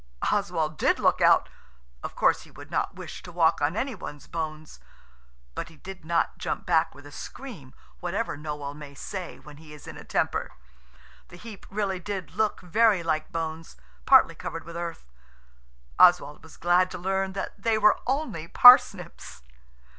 Oswald did look out–of course, he would not wish to walk on any one's bones. But he did not jump back with a scream, whatever Noël may say when he is in a temper The heap really did look very like bones, partly covered with earth. Oswald was glad to learn that they were only parsnips.